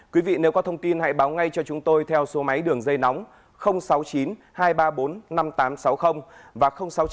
quý vị nếu có thông tin hãy báo ngay cho chúng tôi theo số máy đường dây nóng sáu mươi chín hai trăm ba mươi bốn năm nghìn tám trăm sáu mươi và sáu mươi chín hai trăm ba mươi một một nghìn sáu trăm bảy